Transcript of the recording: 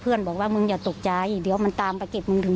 บอกว่ามึงอย่าตกใจเดี๋ยวมันตามไปเก็บมึงถึง